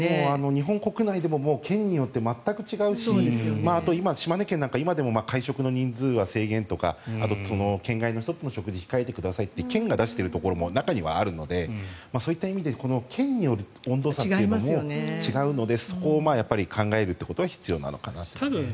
日本国内でも県によって全く違うしあと、島根県は今でも会食の人数制限とかあと、県外の人との食事を控えてくださいと県が出しているところも中にはあるのでそういった意味で県による温度差というのも違うのでそこを考えることは必要なのかなと思いますね。